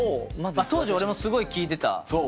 当時俺もすごい聴いてた。